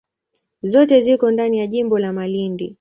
Zote ziko ndani ya jimbo la Malindi.